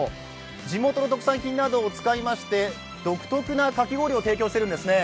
地元の特産品などを使いまして、独特なかき氷を提供してるんですね。